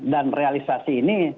dan realisasi ini